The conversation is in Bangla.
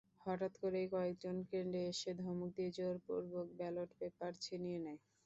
হঠাৎ করেই কয়েকজন কেন্দ্রে এসে ধমক দিয়ে জোরপূর্বক ব্যালট পেপার ছিনিয়ে নেয়।